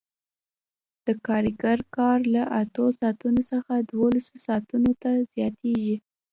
د کارګر کار له اتو ساعتونو څخه دولسو ساعتونو ته زیاتېږي